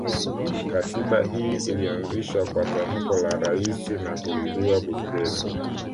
Katiba hii ilianzishwa kwa tamko la Rais na kuridhiwa bungeni